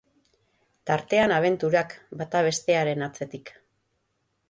Tartean abenturak, bata bestearen atzetik.